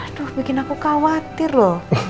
aduh bikin aku khawatir loh